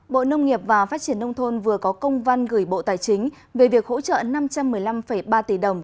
bộ nông nghiệp và phát triển nông thôn vừa có công văn gửi bộ tài chính về việc hỗ trợ năm trăm một mươi năm ba tỷ đồng